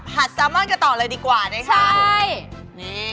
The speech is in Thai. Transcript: ผัดซามอนกระต่อเลยดีกว่าใช่ไหมคะใช่ครับนี่ยังชอบมาก